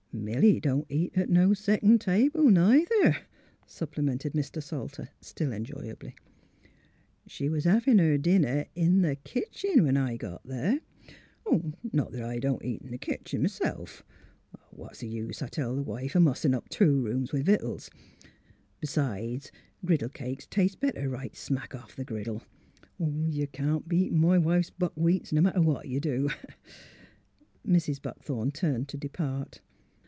*' Milly don't eat at no second table, neither," supplemented Mr. Salter, still enjoyably. " She was havin' her dinner in the kitchen when I got there. Not that I don't eat in th' kitchen m'self. * What's th' use,' I tell m' wife, ' a mussin' up two rooms with vittles.' B 'sides, griddle cakes tastes better right smack off the griddle. Y'u MILLSTONES AND OPPORTUNITIES 133 can't beat m' wife's buckwheats, n' matter what y'u do." Mrs. Buckthorn turned to depart.